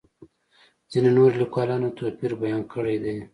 ځینو نورو لیکوالو توپیر بیان کړی دی.